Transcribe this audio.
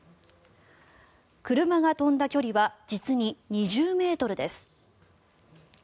車が飛んだ距離は実に２０ｍです。